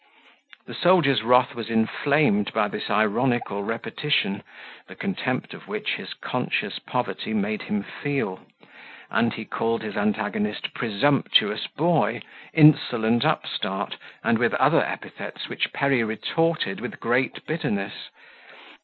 The soldier's wrath was inflamed by this ironical repetition, the contempt of which his conscious poverty made him feel; and he called his antagonist presumptuous boy, insolent upstart, and with other epithets, which Perry retorted with great bitterness.